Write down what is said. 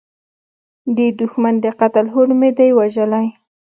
د دوښمن د قتل هوډ مې دی وژلی